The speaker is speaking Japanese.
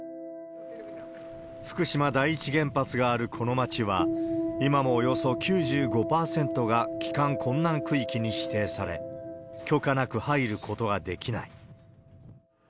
福島第一原発があるこの町は、今もおよそ９５％が帰還困難区域に指定され、許可なく入ることができない。